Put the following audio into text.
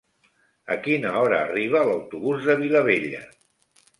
A quina hora arriba l'autobús de Vilabella?